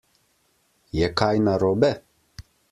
Je kaj narobe?